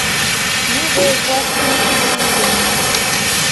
Ni devas timigi ilin